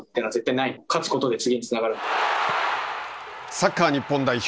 サッカー日本代表